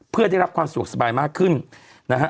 เพื่อได้รับความสะดวกสบายมากขึ้นนะฮะ